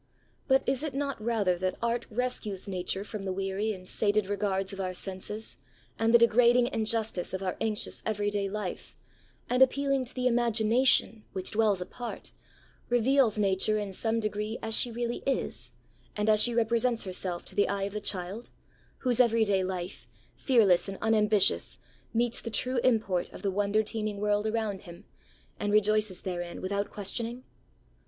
But is it not rather that art rescues nature from the weary and sated regards of our senses, and the degrading injustice of our anxious everyday life, and, appealing to the imagination, which dwells apart, reveals Nature in some degree as she really is, and as she represents herself to the eye of the child, whose every day life, fearless and unambitious, meets the true import of the wonder teeming world around him, and rejoices therein without questioning?